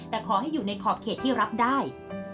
แต่ขอให้อยู่ในขอบเขตที่รับได้